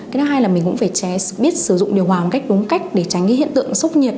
cái thứ hai là mình cũng phải biết sử dụng điều hòa một cách đúng cách để tránh cái hiện tượng sốc nhiệt